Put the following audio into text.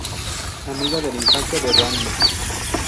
Amiga de la infancia de Ranma.